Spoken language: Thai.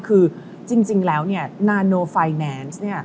คือจริงแล้วนาโนไฟแนนซ์